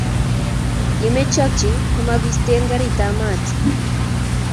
ye mechokchi ko mukubisten karitab maat